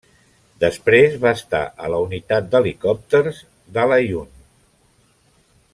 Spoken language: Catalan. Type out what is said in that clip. Després va estar a la Unitat d'Helicòpters d'Al-Aaiun.